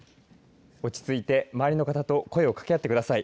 落ち着いて、周りの方と声をかけ合ってください。